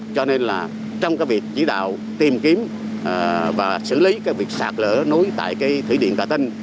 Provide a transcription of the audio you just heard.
cho nên trong việc chỉ đạo tìm kiếm và xử lý việc sạt lở nối tại thủy điện cà tinh